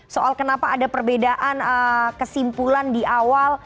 soal kenapa ada perbedaan kesimpulan di awal